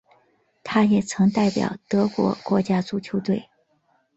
他也曾代表德国国家足球队。